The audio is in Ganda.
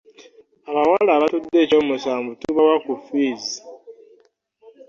Abawala abatudde ekyomusanvu tubawa ku ffiizi.